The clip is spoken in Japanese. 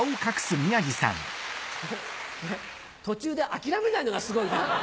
途中で諦めないのがすごいな。